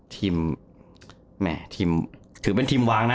แหม่ทีมถือเป็นทีมวางนะ